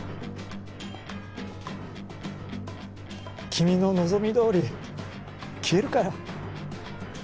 君の望みどおり消えるから。